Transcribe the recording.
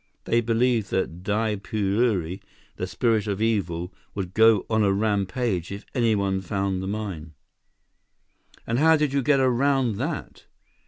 They believed that Daipurui, the Spirit of Evil, would go on a rampage if anyone found the mine." "And how did you get around that?"